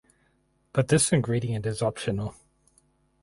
But this ingredient is optional.